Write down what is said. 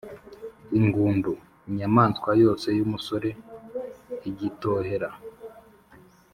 ingûndu: inyamaswa yose y’umusore, igitohera